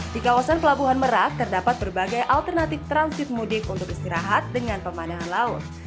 di kawasan pelabuhan merak terdapat berbagai alternatif transit mudik untuk istirahat dengan pemandangan laut